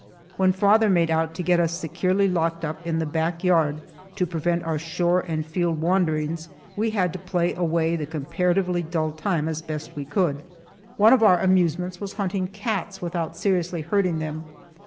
When father made out to get us securely locked up in the back yard to prevent our shore and field wanderings, we had to play away the comparatively dull time as best we could. One of our amusements was hunting cats without seriously hurting them.